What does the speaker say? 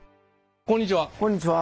こんにちは！